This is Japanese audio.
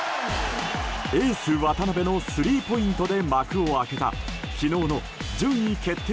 エース渡邊のスリーポイントで幕を開けた昨日の順位決定